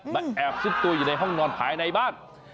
แอบซุดตัวอยู่ในห้องนอนภายในบ้าน